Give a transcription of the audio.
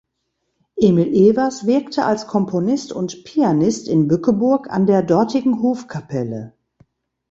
Emil Evers wirkte als Komponist und Pianist in Bückeburg an der dortigen Hofkapelle.